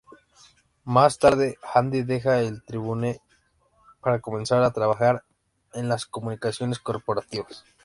Más tarde, Handy deja el Tribune para comenzar a trabajar en las comunicaciones corporativas.